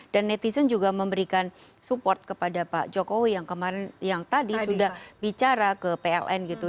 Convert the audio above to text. dan netizen juga memberikan support kepada pak jokowi yang kemarin yang tadi sudah bicara ke pln gitu